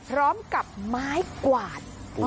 พร้อมกับไม้กวาด